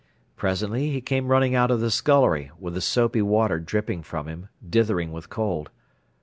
Presently he came running out of the scullery, with the soapy water dripping from him, dithering with cold.